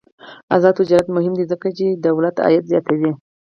آزاد تجارت مهم دی ځکه چې دولت عاید زیاتوي.